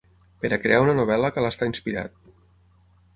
Per a crear una novel·la cal estar inspirat.